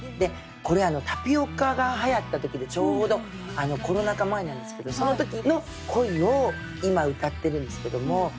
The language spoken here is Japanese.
これタピオカがはやった時でちょうどコロナ禍前なんですけどその時の恋を今歌ってるんですけども。